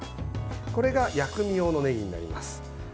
これが、薬味用のねぎになります。